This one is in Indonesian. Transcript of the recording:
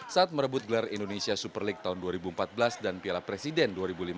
saat merebut gelar indonesia super league tahun dua ribu empat belas dan piala presiden dua ribu lima belas